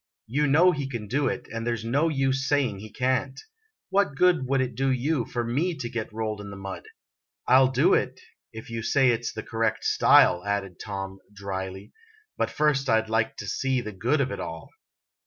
You know he can do it, and there's no use saying he can't. What good would it do you for me to get rolled in the mud ? I '11 do it, if you say it 's the correct style," added Tom, dryly; "but first I 'd like to see the good of it all."